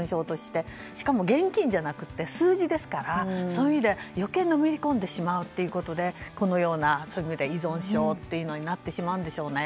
しかも現金じゃなくて数字なのでそういう意味では余計のめり込んでしまうということでこのような依存症などになってしまうんでしょうね。